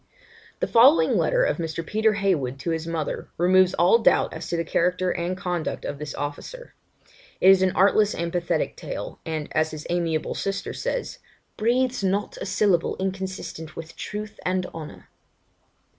The following letter of Mr. Peter Heywood to his mother removes all doubt as to the character and conduct of this officer. It is an artless and pathetic tale, and, as his amiable sister says, 'breathes not a syllable inconsistent with truth and honour.'